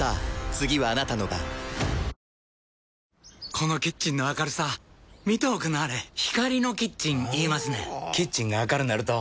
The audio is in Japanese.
このキッチンの明るさ見ておくんなはれ光のキッチン言いますねんほぉキッチンが明るなると・・・